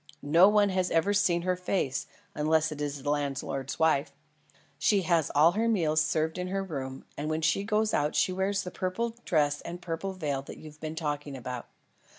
No one has ever seen her face; unless it is the landlord's wife. She has all her meals served in her room, and when she goes out she wears the purple dress and purple veil you've been talking about.